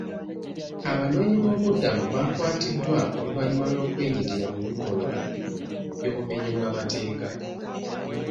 Abanoonyi boobubudamu baakwatiddwa oluvannyuma lw'okwenyigira mu bikolwa by'obumenyi bw'amateeka.